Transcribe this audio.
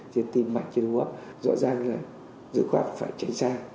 xin tin mạnh xin hứa rõ ràng là dưới khoác phải tránh xa